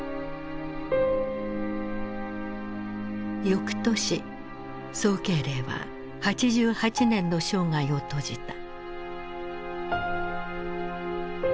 翌年宋慶齢は８８年の生涯を閉じた。